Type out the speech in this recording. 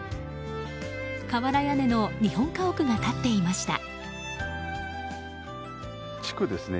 瓦屋根の日本家屋が立っていました。